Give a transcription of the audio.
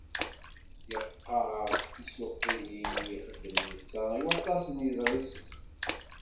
Yeγγar-d tisuqilin i yexdem netta i waṭas n yiḍrisen.